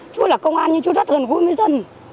chú là công an nhưng chú rất gần gũi với dân